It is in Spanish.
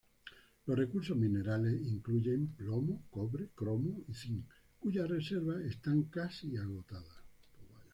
Los recursos minerales incluyen plomo, cobre, cromo, y zinc, cuyas reservas están casi agotadas.